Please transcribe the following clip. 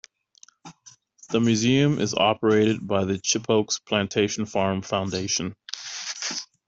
The museum is operated by the Chippokes Plantation Farm Foundation.